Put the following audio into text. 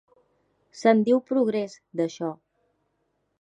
Se'n diu progrés, d'això.